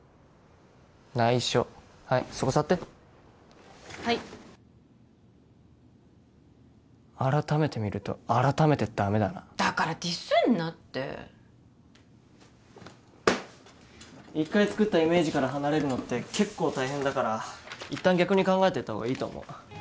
内緒はいそこ座ってはい改めて見ると改めてダメだなだからディスんなって一回作ったイメージから離れるのって結構大変だからいったん逆に考えてった方がいいと思う